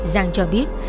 giang cho biết